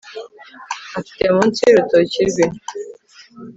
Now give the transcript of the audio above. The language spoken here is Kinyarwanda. afite munsi y'urutoki rwe